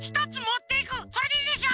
それでいいでしょ？